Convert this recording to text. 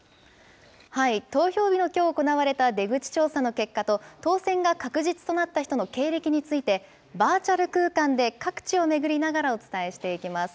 投票日のきょう行われた出口調査の結果と、当選が確実となった人の経歴について、バーチャル空間で各地を巡りながら、お伝えしていきます。